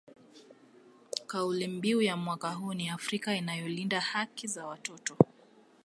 Kauli mbiu ya mwaka huu ni Afrika inayolinda haki za watoto